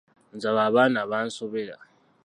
Nze abo abaana bansobera.